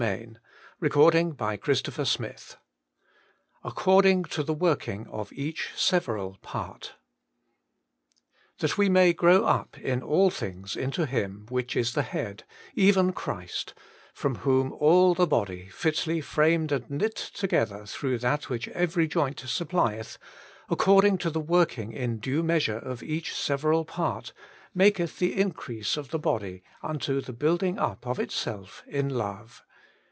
This prepares and fits for service in the world. XVI HccorDin^ to tbe Mort^iuG of eacb several ipart * That we may grow up in all things into Him, which is the Head, even Christ ; from whom all the body fitly framed and knit together through that which every joint supplieth, according to the working in due measure of each several part, maketh the increase of the body unto the build ing up of itself in love.'